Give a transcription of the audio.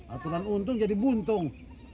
aturan untung jadi buntung